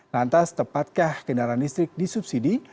lantas tepatkah kendaraan listrik disubsidi